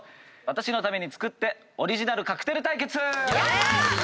私のために作ってオリジナルカクテル対決！